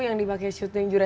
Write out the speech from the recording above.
yang dipake syuting juga